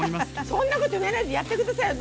そんなこと言わないでやって下さいよ